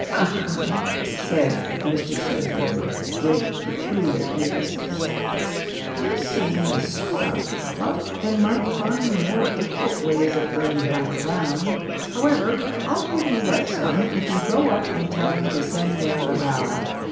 ahem!" said Mr Sudberry, with peculiar emphasis; "you seem a stout fellow, and might find more difficult ways of earning half a crown. However, I'll give you that sum if you go up and tell them to send down a barrow."